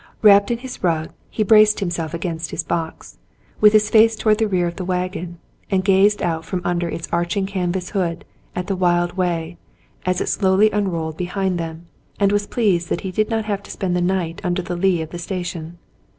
Wrapped in his rug, he braced himself against his box, with his face toward the rear of the wagon, and gazed out from under its arching canvas hood at the wild way, as it slowly unrolled behind them, and was pleased that he did not have to spend the night under the lee of the station.